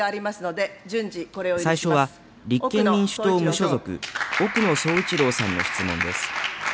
最初は立憲民主党・無所属、奥野総一郎さんの質問です。